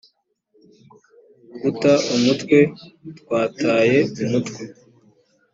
guta umutwe: twataye umutwe